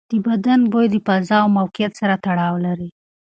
د بدن بوی د فضا او موقعیت سره تړاو لري.